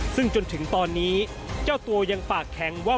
ซึ่งจนถึงตอนนี้เจ้าตัวยังปากแข็งว่า